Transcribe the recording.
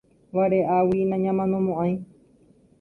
Vare'águi nañamanomo'ãi.